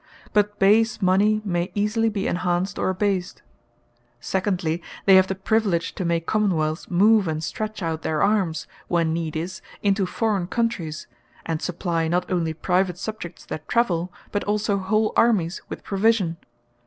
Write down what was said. But base Mony, may easily be enhanced, or abased. Secondly, they have the priviledge to make Common wealths, move, and stretch out their armes, when need is, into forraign Countries; and supply, not only private Subjects that travell, but also whole Armies with provision.